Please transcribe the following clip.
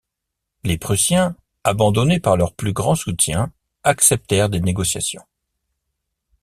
Les Prussiens, abandonnés par leur plus grand soutien, acceptèrent des négociations.